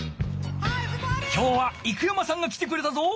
今日は生山さんが来てくれたぞ。